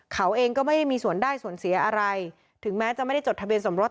เขาเองก็ไม่มีส่วนได้ส่วนเสียอะไรถึงแม้จะไม่ได้จดทะเบียนสมรส